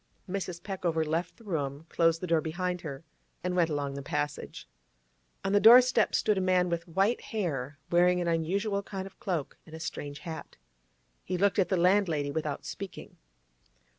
Mrs. Peckover left the room, closed the door behind her, and went along the passage. On the doorstep stood a man with white hair, wearing an unusual kind of cloak and a strange hat. He looked at the landlady without speaking.